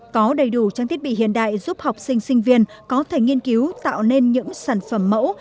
có đầy đủ trang thiết bị hiện đại giúp học sinh sinh viên có thể nghiên cứu tạo nên những sản phẩm mẫu